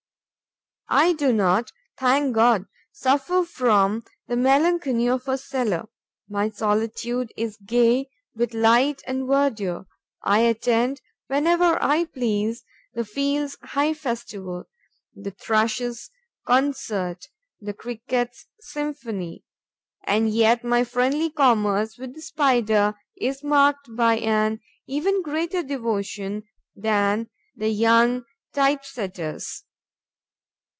I do not, thank God, suffer from the melancholy of a cellar: my solitude is gay with light and verdure; I attend, whenever I please, the fields' high festival, the Thrushes' concert, the Crickets' symphony; and yet my friendly commerce with the Spider is marked by an even greater devotion than the young typesetter's.